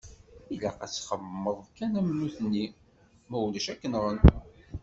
Ilaq ad txemmemeḍ kan am nutni ma ulac ad k-nɣen.